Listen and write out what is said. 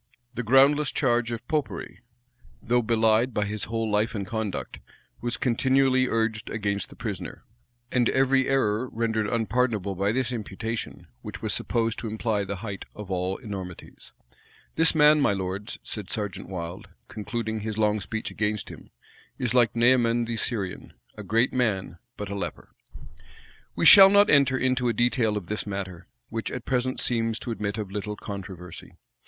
The groundless charge of Popery, though belied by his whole life and conduct, was continually urged against the prisoner; and every error rendered unpardonable by this imputation, which was supposed to imply the height of all enormities. "This man, my lords," said Serjeant Wilde, concluding his long speech against him, "is like Naaman the Syrian; a great man, but a leper."[*] We shall not enter into a detail of this matter, which at present seems to admit of little controversy.